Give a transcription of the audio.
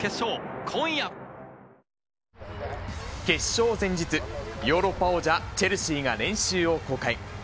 決勝前日、ヨーロッパ王者チェルシーが練習を公開。